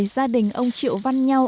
gia đình ông triệu văn nhau